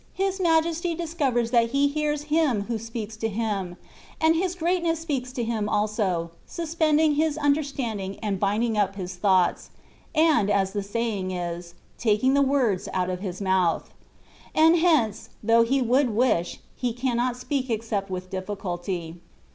His Majesty discovers that He hears him who speaks to Him ; and His greatness speaks to him also, suspending his understanding and binding up his thoughts, and as the saying is, taking the words out of his mouth ; and hence, though he would wish, he cannot speak except with much difficulty.